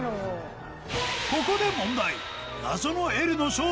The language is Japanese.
ここで問題